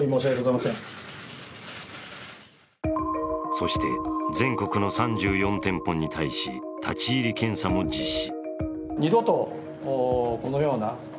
そして全国の３４店舗に対し立ち入り検査も実施。